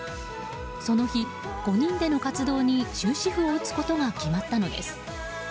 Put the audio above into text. その日、５人での活動に終止符を打つことが決まったのです。